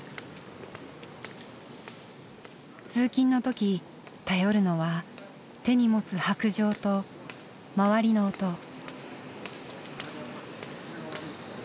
通勤の時頼るのは手に持つ白杖と周りの音。